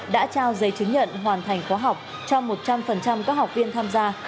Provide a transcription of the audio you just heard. đã trao giấy chứng nhận hoàn thành khóa học cho một trăm linh các học viên tham gia